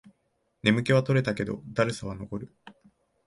眠気は取れたけど、だるさは残る